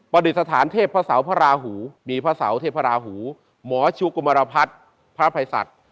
๑ปฏิษฐานเทพพระสาวพระราหูหมอชุกกุมารพัฒน์พระภัยศาสตร์